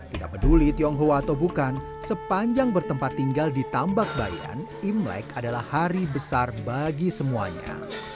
tidak peduli tionghoa atau bukan sepanjang bertempat tinggal di tambak bayan imlek adalah hari besar bagi semuanya